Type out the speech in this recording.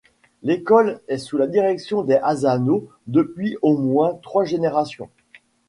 L'école est sous la direction des Asano depuis au moins trois générations.